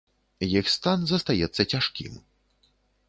Іх стан застаецца цяжкім.